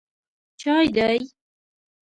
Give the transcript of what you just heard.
_چای دی؟